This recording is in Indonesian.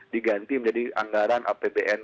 diganti menjadi anggaran apbn